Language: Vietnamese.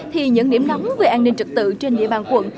thì những điểm nóng về an ninh trực tự trên địa bàn quận